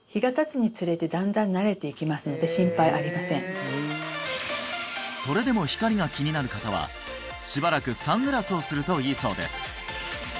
ただそれでも光が気になる方はしばらくサングラスをするといいそうです